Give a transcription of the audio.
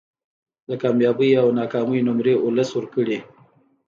د کامیابۍ او ناکامۍ نمرې ولس ورکړي